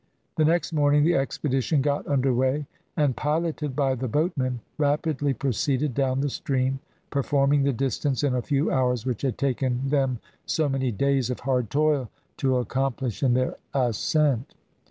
The next morning the expedition got under way and, piloted by the boatmen, rapidly proceeded down the stream, performing the distance in a few hours which had taken them so many days of hard toil to accomplish in their ascent.